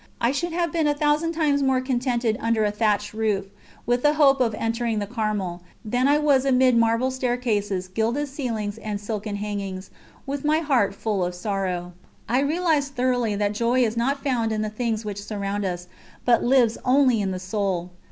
I should have been a thousand times more contented under a thatched room, with the hope of entering the Carmel, than I was amid marble staircases, gilded ceilings, and silken hangings, with my heart full of sorrow. I realised thoroughly that joy is not found in the things which surround us, but lives only in the soul.